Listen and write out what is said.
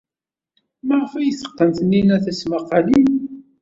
Maɣef ay teqqen Taninna tismaqqalin?